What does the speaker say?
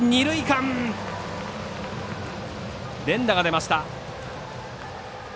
連打が出ました。